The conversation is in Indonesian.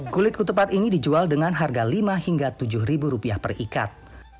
kulit ketupat ini dijual dengan harga lima hingga tujuh ribu rupiah perikat